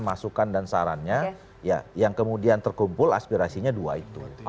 masukan dan sarannya yang kemudian terkumpul aspirasinya dua itu